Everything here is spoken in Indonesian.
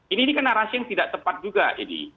ini kan narasi yang tidak tepat juga ini